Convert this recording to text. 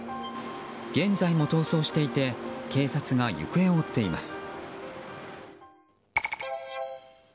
現在も逃走していて警察が行方を追っています。